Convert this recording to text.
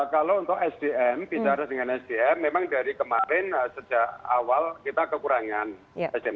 kalau untuk sdm bicara dengan sdm memang dari kemarin sejak awal kita kekurangan sdm